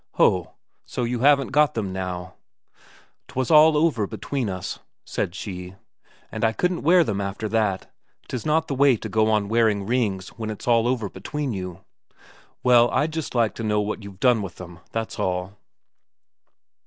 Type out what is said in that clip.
"Ho, so you haven't got them now?" "'Twas all over between us," said she. "And I couldn't wear them after that. 'Tis not the way to go on wearing rings when it's all over between you." "Well, I'd just like to know what you've done with them, that's all."